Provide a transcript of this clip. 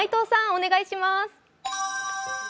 お願いします。